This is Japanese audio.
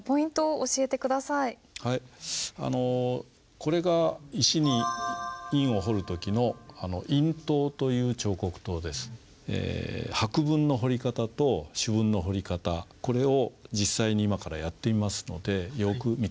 これが石に印を彫る時の白文の彫り方と朱文の彫り方これを実際に今からやってみますのでよく見て下さい。